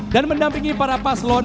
dan mendampingi para paslon